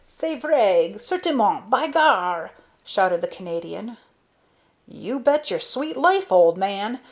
"C'est vrai! Certainment! By gar!" shouted the Canadian. "You bet your sweet life, old man!